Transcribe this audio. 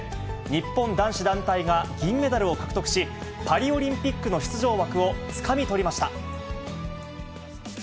日本男子団体が銀メダルを獲得し、パリオリンピックの出場枠をつかみ取りました。